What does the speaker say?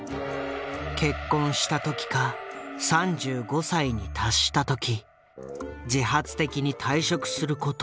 「結婚したときか３５歳に達したとき自発的に退職することを誓約します」。